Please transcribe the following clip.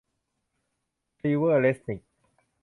ทรีเวอร์ เรซนิค